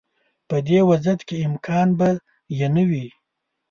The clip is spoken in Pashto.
په دې وضعیت کې امکان به یې نه وي.